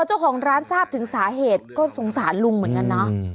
ถ้าท่านทราบถึงสาเหตุก็สงสารลุงเหมือนกันนะ